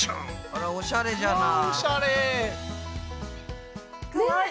あらおしゃれじゃない。